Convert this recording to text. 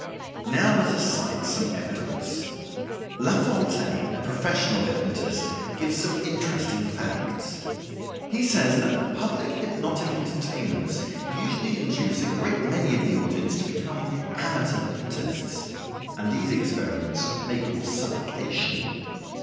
Now let us cite some evidence. Lafontaine, a professional hypnotist, gives some interesting facts. He says that public hypnotic entertainments usually induce a great many of the audience to become amateur hypnotists, and these experiments may cause suffocation.